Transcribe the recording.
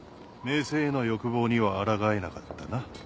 名声への欲望にはあらがえなかったな。